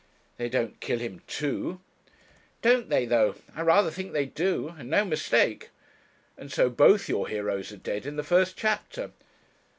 'They don't kill him, too?' 'Don't they though? I rather think they do, and no mistake.' 'And so both your heroes are dead in the first chapter.'